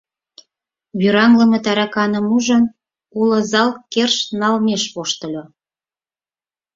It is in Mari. Вӱраҥлыме тараканым ужын, уло зал керш налмеш воштыльо...